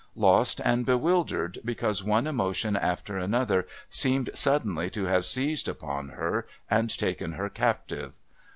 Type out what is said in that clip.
Lost and bewildered because one emotion after another seemed suddenly to have seized upon her and taken her captive.